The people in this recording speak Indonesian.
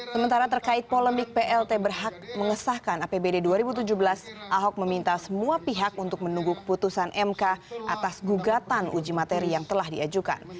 sementara terkait polemik plt berhak mengesahkan apbd dua ribu tujuh belas ahok meminta semua pihak untuk menunggu keputusan mk atas gugatan uji materi yang telah diajukan